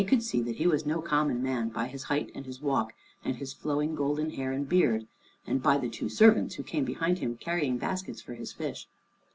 ] But Danæ could see that he was no common man by his height and his walk, and his flowing golden hair and beard, and by the two servants who came behind him carrying baskets for his fish.